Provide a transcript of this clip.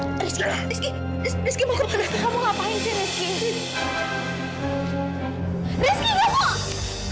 ibu rizky mau ke rumah